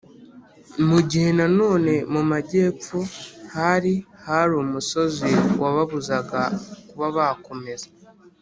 mu gihe na none mu majyepfo hari hari umusozi wababuzaga kuba bakomeza.